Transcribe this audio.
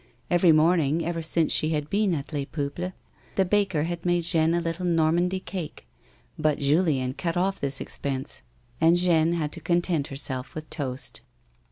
Every morning, ever since she had been at Les Peuples, the baker had made Jeanne a little Normandy cake, but Julien cut off this expense, and Jeanne had to content herself with toast.